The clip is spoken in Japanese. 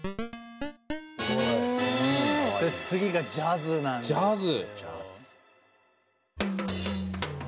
次がジャズなんです。